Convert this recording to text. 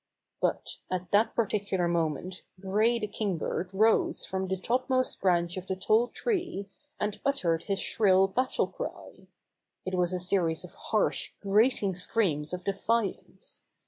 But at that particular moment Gray the Kingbird rose from the topmost branch of the tall tree, and uttered his shrill battlecry. It was a series of harsh, grating screams of defiance.